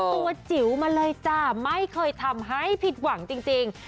ตัวจิ๋วมาเลยจ้ะไม่เคยทำให้ผิดหวังจริง